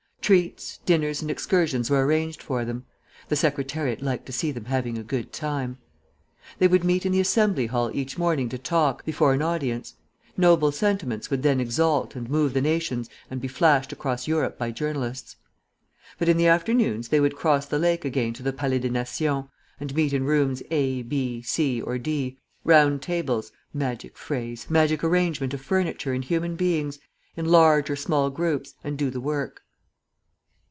Treats, dinners and excursions were arranged for them; the Secretariat liked to see them having a good time. They would meet in the Assembly Hall each morning to talk, before an audience; noble sentiments would then exalt and move the nations and be flashed across Europe by journalists. But in the afternoons they would cross the lake again to the Palais des Nations, and meet in Rooms A, B, C, or D, round tables (magic phrase! magic arrangement of furniture and human beings!) in large or small groups, and do the work.